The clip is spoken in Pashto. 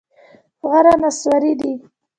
زغر نصواري دي.